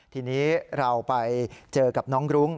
ทีนี้เราไปเจอกับน้องรุ้ง